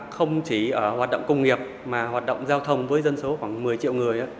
không chỉ ở hoạt động công nghiệp mà hoạt động giao thông với dân số khoảng một mươi triệu người